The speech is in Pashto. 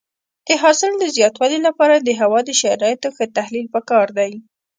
د حاصل د زیاتوالي لپاره د هوا د شرایطو ښه تحلیل پکار دی.